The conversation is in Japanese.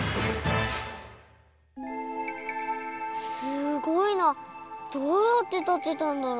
すごいなどうやってたてたんだろう。